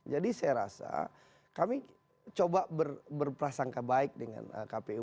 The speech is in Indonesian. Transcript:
jadi saya rasa kami coba berprasangka baik dengan kpu